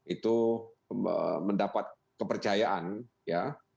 itu mendapat kepercayaan ya penuh dengan kepercayaan